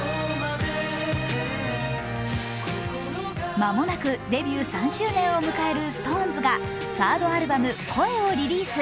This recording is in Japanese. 間もなくデビュー３周年を迎えるＳｉｘＴＯＮＥＳがサードアルバム「声」をリリース。